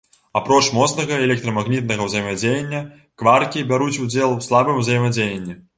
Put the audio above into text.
Апроч моцнага і электрамагнітнага ўзаемадзеяння, кваркі бяруць удзел у слабым узаемадзеянні.